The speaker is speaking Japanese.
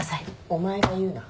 お前が言うな。